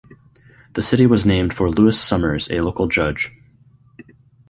The city was named for Lewis Summers, a local judge.